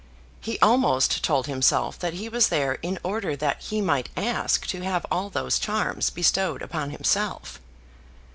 He almost told himself that he was there in order that he might ask to have all those charms bestowed upon himself.